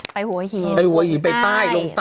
ไปหัวหินลงใต้ไปหัวหินไปใต้ลงใต้